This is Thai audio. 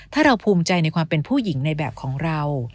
ถ้าเราภูมิใจในความเป็นผู้หญิงในแบบของเรา